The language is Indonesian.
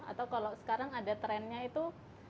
atau kalau sekarang ada trennya itu